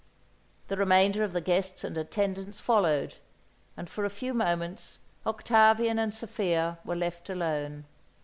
The remainder of the guests and attendants followed; and, for a few moments, Octavian and Sophia were left alone.